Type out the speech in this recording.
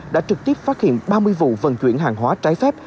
đã trực tiếp phát hiện ba mươi vụ vận chuyển hàng hóa trái phép